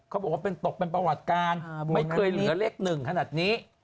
เขาบอกว่าตกเป็นประวัติการไม่เคยเหลือเลข๑ขนาดนี้